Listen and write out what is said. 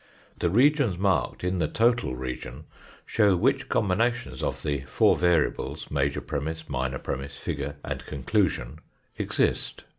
The regions marked in the total region show which com binations of the four variables, major premiss, minor premiss, figure, and conclusion exist.